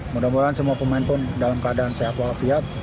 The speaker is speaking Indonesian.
mudah mudahan semua pemain pun dalam keadaan sehat walafiat